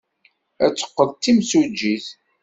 Ad teqqel d timsujjit.